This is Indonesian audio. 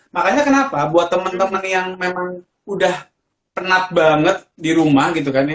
makanya kenapa buat temen temen yang memang udah penat banget di rumah gitu kan ya